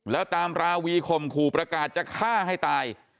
แล้วตามราวีข่มขู่ประกาศจะฆ่าให้ตาย